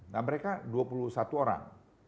nah mereka dua puluh satu orang